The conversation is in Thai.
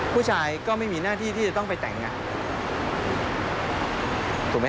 ผู้ชายก็ไม่มีหน้าที่ที่จะต้องไปแต่งงานถูกไหม